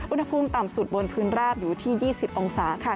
อุณหภูมิต่ำสุดบนพื้นราบอยู่ที่๒๐องศาค่ะ